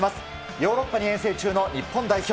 ヨーロッパに遠征中の日本代表。